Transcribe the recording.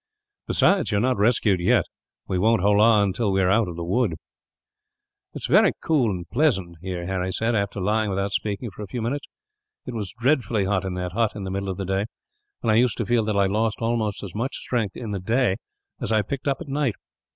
"Besides, you are not rescued, yet; and we won't holloa until we are out of the wood." "It is very cool and pleasant here," Harry said, after lying without speaking for a few minutes. "It was dreadfully hot in that hut, in the middle of the day; and I used to feel that I lost almost as much strength, in the day, as I picked up at night.